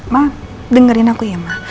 ma dengerin aku ya ma